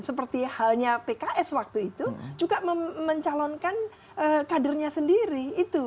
seperti halnya pks waktu itu juga mencalonkan kadernya sendiri itu